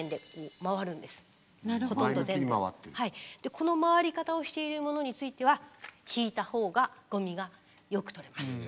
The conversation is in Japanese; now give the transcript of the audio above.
この回り方をしているものについては引いた方がゴミがよく取れます。